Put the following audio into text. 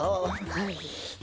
はい。